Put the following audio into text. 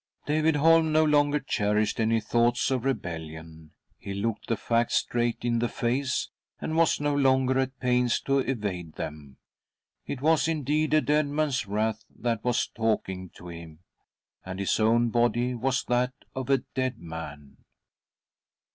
David Holm no longer cherished any thoughts of rebellion. He looked the facts straight in the face, and was no longer at pains to evade them. It was, indeed, a dead man's wraith that was talking to him ; and his own body was that of a dead man.